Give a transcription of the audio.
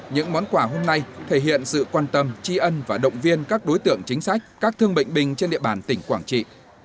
những món quà hôm nay thể hiện sự quan tâm tri ân và động viên các đối tượng chính sách các thương bệnh bình trên địa bàn tỉnh quảng trị